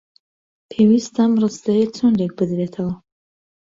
پێویستە ئەم ڕستەیە چۆن لێک بدرێتەوە؟